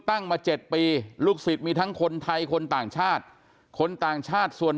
ตั้งมา๗ปีลูกศิษย์มีทั้งคนไทยคนต่างชาติคนต่างชาติส่วน